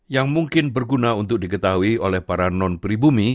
yang mungkin berguna untuk diketahui oleh para non pribumi